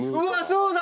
そうだ！